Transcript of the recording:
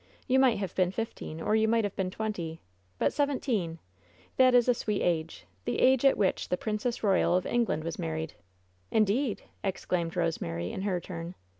You might have been fifteen, or you might have been twenty. But seventeen ! That is a sweet age — the age at which the Princess Royal of Eng land was married!" "Indeed!" eclaimed Rosemary, in her tun.